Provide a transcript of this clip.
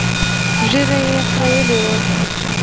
ږيره يې خرييلې وه.